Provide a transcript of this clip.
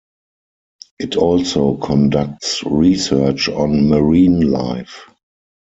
It also conducts research on marine life.